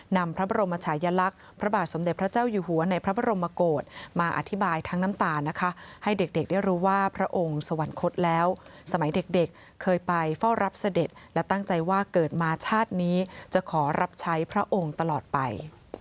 นำพระบรมชายลักษณ์พระบาทสมเด็จพระเจ้าอยู่หัวในพระบรมโกศมาอธิบายทั้งน้ำตานะคะให้เด็กได้รู้ว่าพระองค์สวรรคตแล้วสมัยเด็กเคยไปเฝ้ารับเสด็จและตั้งใจว่าเกิดมาชาตินี้จะขอรับใช้พระองค์ตลอดไป